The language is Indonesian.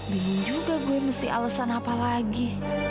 bilin juga gue mesti alesan apa lagi